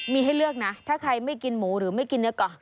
มีให้เลือกนะถ้าใครไม่กินหมูหรือไม่กินเนื้อก่อน